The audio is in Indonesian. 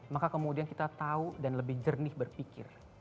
maka kemudian kita tahu dan lebih jernih berpikir